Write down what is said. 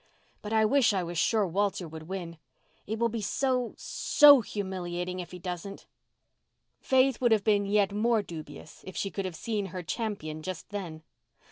But I wish I was sure Walter would win. It will be so—so humiliating if he doesn't." Faith would have been yet more dubious if she could have seen her champion just then.